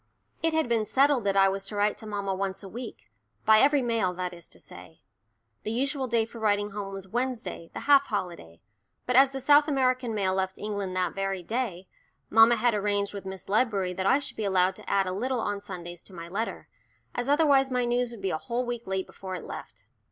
It had been settled that I was to write to mamma once a week by every mail, that is to say. The usual day for writing home was Wednesday, the half holiday, but as the South American mail left England that very day, mamma had arranged with Miss Ledbury that I should be allowed to add a little on Sundays to my letter, as otherwise my news would be a whole week late before it left.